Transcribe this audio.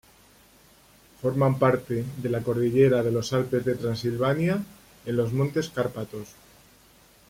Forman parte de la cordillera de los Alpes de Transilvania en los montes Cárpatos.